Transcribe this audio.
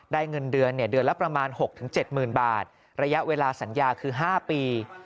เงินเดือนเดือนละประมาณ๖๗๐๐๐บาทระยะเวลาสัญญาคือ๕ปี